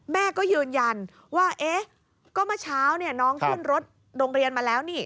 แม่ก็ยืนยันว่าเอ๊ะก็เมื่อเช้าน้องขึ้นรถโรงเรียนมาแล้วนี่